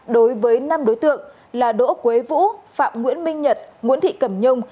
đối với năm đối tượng là đỗ quế vũ phạm nguyễn minh nhật nguyễn thị cẩm nhung